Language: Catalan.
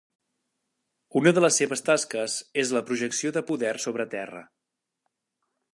Una de les seves tasques és la projecció de poder sobre terra.